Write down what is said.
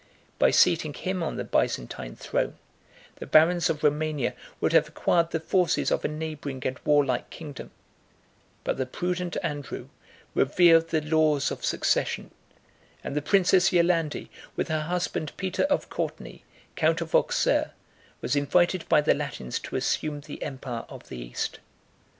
By seating him on the Byzantine throne, the barons of Romania would have acquired the forces of a neighboring and warlike kingdom; but the prudent Andrew revered the laws of succession; and the princess Yolande, with her husband Peter of Courtenay, count of Auxerre, was invited by the Latins to assume the empire of the East.